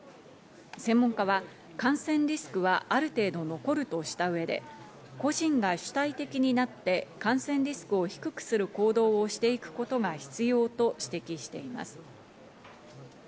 専門家は感染リスクはある程度残るとした上で、個人が主体的になって感染リスクを低くする行動をしていくことが必要と指摘しています。